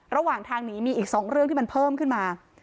ระหว่างทางหนีมีอีก๒เรื่องที่มันเพิ่มขึ้นมา